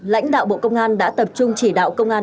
lãnh đạo bộ công an đã tập trung chỉ đạo công an